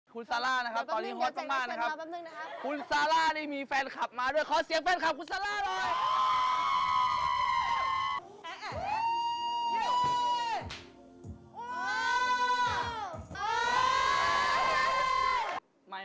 คุณซาร่านะครับตอนนี้ฮอตมากนะครับคุณซาร่านี่มีแฟนคลับมาด้วยขอเสียงแฟนคลับคุณซาร่าหน่อย